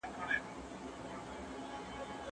په لاره کې خنډونه راځي.